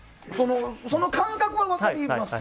その感覚は分かります。